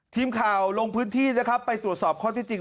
ทีมข่าวลงพื้นที่นะครับไปตรวจสอบข้อที่จริง